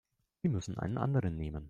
Sie müssen einen anderen nehmen.